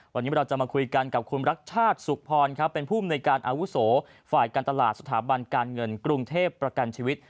วันนี้เราจะมาคุยกันกับคุณรักชาติสุขพรครับเป็นผู้อำนวยการอาวุโสฝ่ายการตลาดสถาบันการเงินกรุงเทพประกันชีวิต